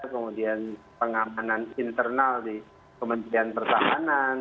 kemudian pengamanan internal di kementerian pertahanan